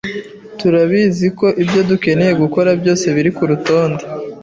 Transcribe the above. Turabizi ko ibyo dukeneye gukora byose biri kurutonde.